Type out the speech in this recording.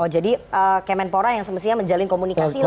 jadi kemenpora yang semestinya menjalin komunikasi lah ya